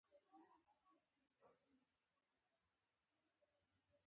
بودا د سولې او مینې پیغام راوړ.